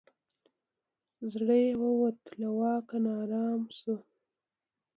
زړه یې ووتی له واکه نا آرام سو